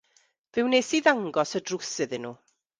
Fe wnes i ddangos y drws iddyn nhw.